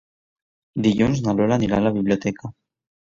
Dilluns na Lola anirà a la biblioteca.